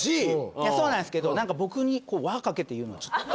いやそうなんですけど僕に輪かけて言うのはちょっと。